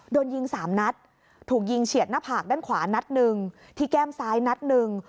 โดนยิงสามนัดถูกยิงเฉียดหน้าผากด้านขวานัดหนึ่งที่แก้มซ้ายนัดหนึ่ง